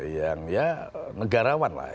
yang ya negarawan lah